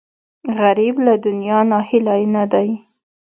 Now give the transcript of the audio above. غریب له دنیا ناهیلی نه دی